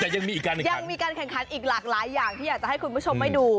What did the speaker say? ยังมีการแข่งขันอีกหลากหลายอย่างที่อยากจะให้คุณผู้ชมไปดู